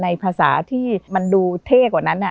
ภาษาที่มันดูเท่กว่านั้น